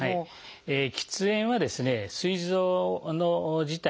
喫煙はですねすい臓自体